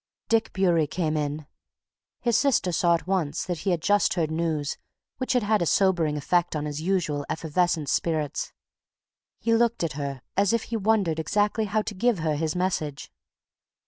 Dick Bewery came hurriedly in. His sister saw at once that he had just heard news which had had a sobering effect on his usually effervescent spirits. He looked at her as if he wondered exactly how to give her his message.